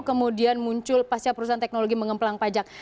kemudian muncul pasca perusahaan teknologi mengempelang pajak